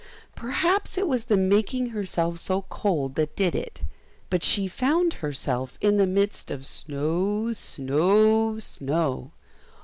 Perhaps it was the making herself so cold that did it, but she found herself in the midst of snow, snow, snow.